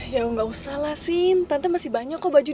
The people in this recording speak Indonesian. ya nggak usah lah sih tante masih banyak kok baju